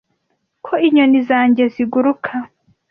ko inyoni zanjye ziguruka